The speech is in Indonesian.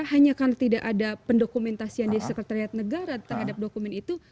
hanya karena tidak ada pendokumentasian di sekretariat negara terhadap dokumen itu